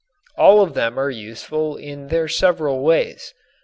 All of them are useful in their several ways.